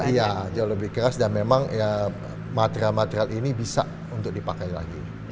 iya jauh lebih keras dan memang material material ini bisa untuk dipakai lagi